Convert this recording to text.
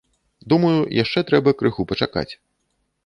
Думаю, яшчэ трэба крыху пачакаць.